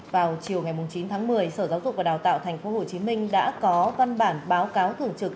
vào chiều ngày chín tháng một mươi sở giáo dục và đào tạo tp hcm đã có văn bản báo cáo thường trực